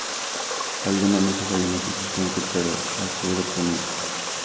Algo no necesariamente existente, pero a ser obtenido.